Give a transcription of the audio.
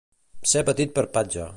Ser petit per patge.